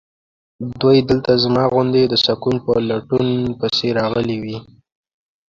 دوی دلته زما غوندې د سکون په لټون پسې راغلي وي.